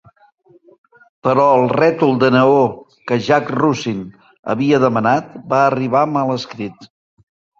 Però el rètol de neó que Jack Russin havia demanat va arribar mal escrit.